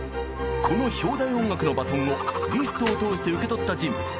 この「標題音楽」のバトンをリストを通して受け取った人物。